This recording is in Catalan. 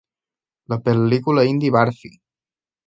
La pel·lícula hindi Barfi!